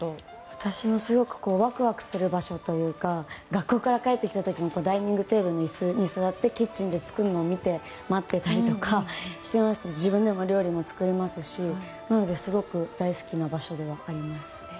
私もワクワクする場所というか学校から帰ってきた時にダイニングテーブルの椅子に座ってキッチンで作るのを見て待ってたりとかしてましたし自分でも料理も作りますしなのですごく大好きな場所です。